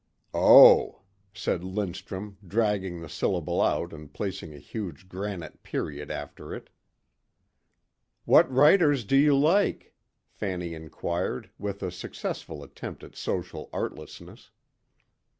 "Oh," said Lindstrum dragging the syllable out and placing a huge granite period after it. "What writers do you like?" Fanny inquired with a successful attempt at social artlessness.